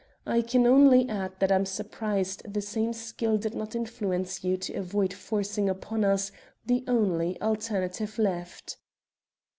I can only add that I am surprised the same skill did not influence you to avoid forcing upon us the only alternative left."